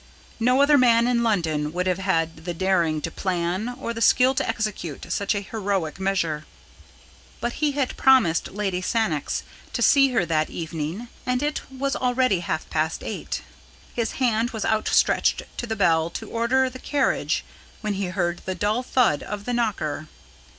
No other man in London would have had the daring to plan, or the skill to execute, such a heroic measure. But he had promised Lady Sannox to see her that evening and it was already half past eight. His hand was outstretched to the bell to order the carriage when he heard the dull thud of the knocker.